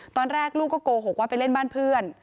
ตอนแรกลูกก็โกหกว่าไปเล่นบ้านเพื่อน